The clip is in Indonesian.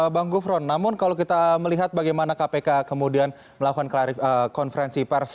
bang gufron namun kalau kita melihat bagaimana kpk kemudian melakukan konferensi pers